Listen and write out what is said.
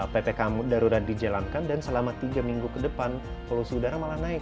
ppkm darurat dijalankan dan selama tiga minggu ke depan polusi udara malah naik